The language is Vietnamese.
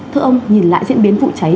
thưa ông nhìn lại diễn biến vụ cháy